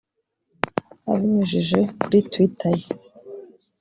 Abinyujije kuri Twitter ye